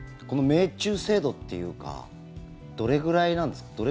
命中精度っていうかどれぐらいなんですか？